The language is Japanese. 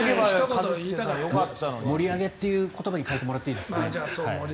盛り上げって言葉に変えてもらっていいですか。